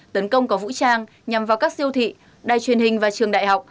tấn công có vũ trang nhằm vào các siêu thị đài truyền hình và trường đại học